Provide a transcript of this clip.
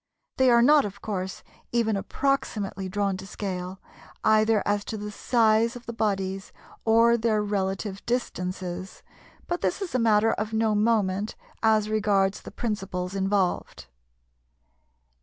They are not, of course, even approximately drawn to scale either as to the size of the bodies or their relative distances, but this is a matter of no moment as regards the principles involved.